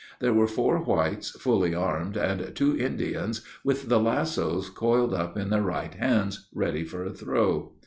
There were four whites, fully armed, and two Indians with the lassos coiled up in their right hands, ready for a throw.